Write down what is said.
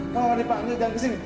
mau mandi panggil jangan kesini